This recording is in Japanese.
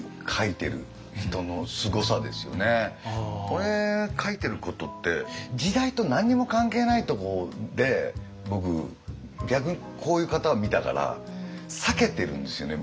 俺書いてることって時代と何にも関係ないとこで僕逆にこういう方を見たから避けてるんですよね